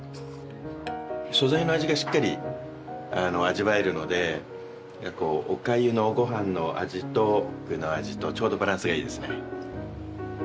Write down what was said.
素材の味がしっかり味わえるのでお粥のご飯の味と具の味とちょうどバランスがいいですね。